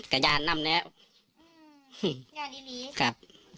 กระยานนั่มเนี้ย